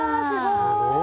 すごい！